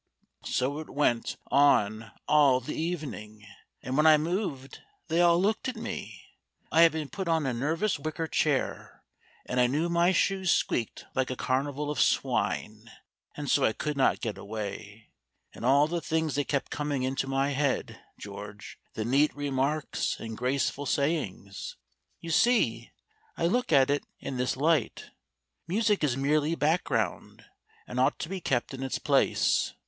So it went on all the evening, and when I moved they all looked at me; I had been put on a nervous wicker chair, and I knew my shoes squeaked like a carnival of swine, and so I could not get away. And all the things that kept coming into my head, George, the neat remarks and graceful sayings! "You see, I look at it in this light. Music is merely background, and ought to be kept in its place.